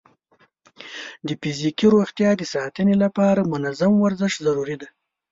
د فزیکي روغتیا د ساتنې لپاره د منظم ورزش ضرورت دی.